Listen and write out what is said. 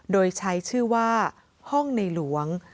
โดยใช้ชื่อว่าห้องในหลวง